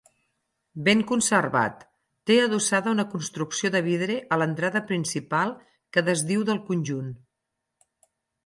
Ben conservat, té adossada una construcció de vidre a l'entrada principal que desdiu del conjunt.